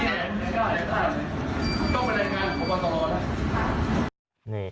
ไม่ได้ไม่ได้